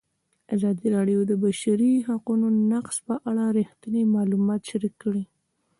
ازادي راډیو د د بشري حقونو نقض په اړه رښتیني معلومات شریک کړي.